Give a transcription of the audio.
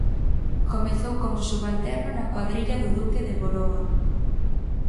Comezou como subalterno na cuadrilla do Duque de Boroa.